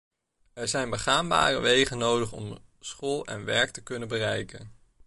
Er zijn begaanbare wegen nodig om school en werk te kunnen bereiken.